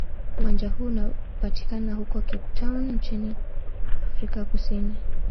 Uwanja huu unapatikana huko Cape Town nchini Afrika Kusini.